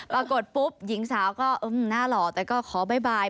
ปรากฏปุ๊บหญิงสาวก็น่าหล่อแต่ก็ขอบ๊าย